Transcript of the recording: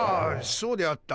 そうであった。